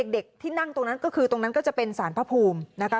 เด็กที่นั่งตรงนั้นก็คือตรงนั้นก็จะเป็นสารพระภูมินะคะ